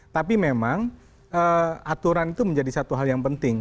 tapi memang aturan itu menjadi satu hal yang penting